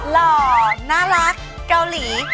รอบน่ารักกาวลี